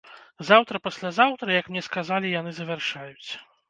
Заўтра-паслязаўтра, як мне сказалі, яны завяршаюць.